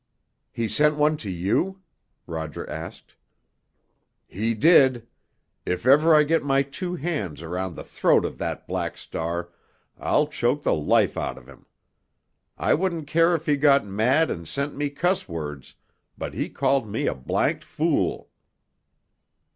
"He sent one to you?" Roger asked. "He did. If ever I get my two hands around the throat of that Black Star I'll choke the life out of him. I wouldn't care if he got mad and sent me cuss words—but he called me a blanked fool!"